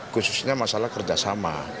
khususnya masalah kerjasama